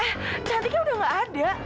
eh cantiknya udah gak ada